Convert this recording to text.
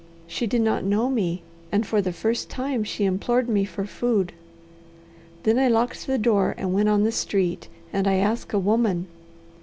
She did not know me, and for the first time she implored me for food. "Then I locked the door and went on the street and I asked a woman.